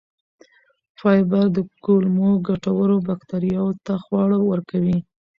فایبر د کولمو ګټورو بکتریاوو ته خواړه ورکوي.